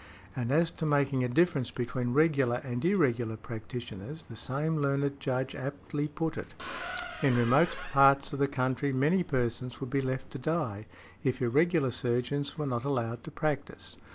And as to making a difference between regular and irregular practitioners the same learned Judge aptly put it, "in remote parts of the country many persons would be left to die if |84| irregular surgeons were not allowed to practise."